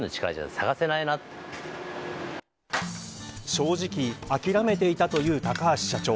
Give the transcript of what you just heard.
正直諦めていたという高橋社長。